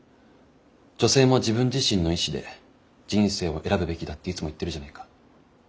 女性も自分自身の意志で人生を選ぶべきだっていつも言ってるじゃないか。